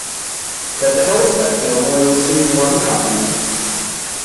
But Hill said he only received one copy.